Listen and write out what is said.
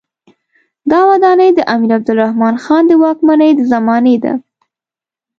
دا ودانۍ د امیر عبدالرحمن خان د واکمنۍ د زمانې ده.